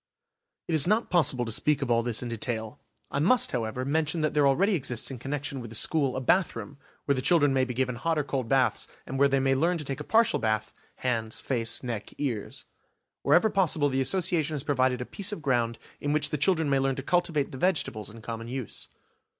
It is not possible to speak of all this in detail. I must, however, mention that there already exists in connection with the school a bathroom, where the children may be given hot or cold baths and where they may learn to take a partial bath, hands, face, neck, ears. Wherever possible the Association has provided a piece of ground in which the children may learn to cultivate the vegetables in common use.